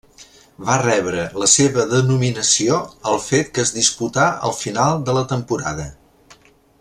Va rebre la seva denominació al fet que es disputà al final de la temporada.